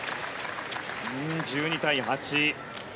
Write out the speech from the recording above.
１２対８。